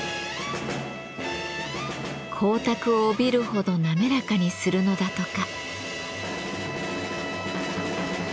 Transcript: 光沢を帯びるほど滑らかにするのだとか。